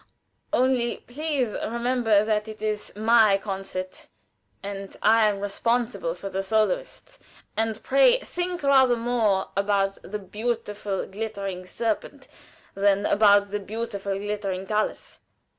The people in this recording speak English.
Only please to remember that it is my concert, and I am responsible for the soloists; and pray think rather more about the beautiful glittering serpent than about the beautiful glittering thalers."